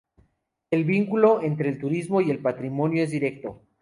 El vínculo entre el turismo y el patrimonio es directo.